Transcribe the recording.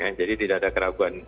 ya jadi tidak ada keraguan